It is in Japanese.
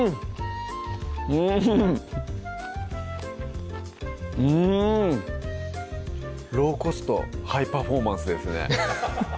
うんうんローコストハイパフォーマンスですね